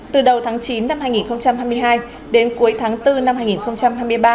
từ đầu tháng chín năm hai nghìn hai mươi hai đến cuối tháng bốn năm hai nghìn hai mươi ba